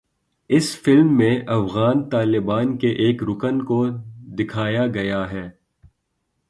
اس film میں افغان طالبان کے ایک رکن کو دکھایا گیا تھا